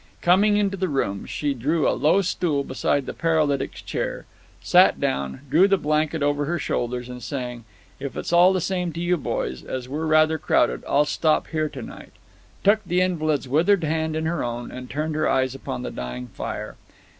Coming into the room, she drew a low stool beside the paralytic's chair, sat down, drew the blanket over her shoulders, and saying, "If it's all the same to you, boys, as we're rather crowded, I'll stop here tonight," took the invalid's withered hand in her own, and turned her eyes upon the dying fire.